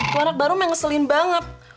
wah anak baru mengeselin banget